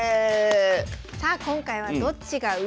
さあ今回は「どっちが上？」